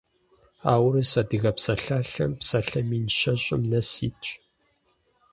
А «Урыс-адыгэ псалъалъэм» псалъэ мин щэщӏым нэс итщ.